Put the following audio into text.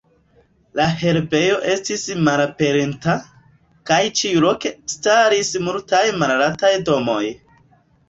La herbejo estis malaperinta, kaj ĉiuloke staris multaj malaltaj domoj.